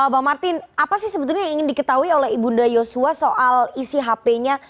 bang martin apa sih sebetulnya yang ingin diketahui oleh ibu nda yosua soal isi hp nya